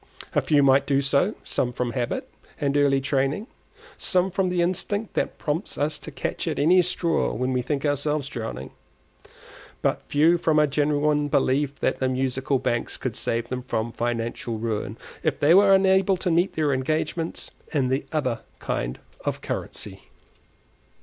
A few might do so, some from habit and early training, some from the instinct that prompts us to catch at any straw when we think ourselves drowning, but few from a genuine belief that the Musical Banks could save them from financial ruin, if they were unable to meet their engagements in the other kind of currency.